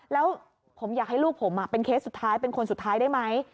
แล้วผมอยากให้ลูกผมเป็นเคสสุดท้ายเป็นคนสุดท้ายได้ไหม